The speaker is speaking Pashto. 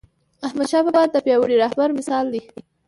احمدشاه بابا د پیاوړي رهبر مثال دی..